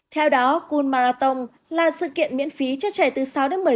theo đó cool marathon là sự kiện miễn phí cho trẻ từ sáu một mươi tuổi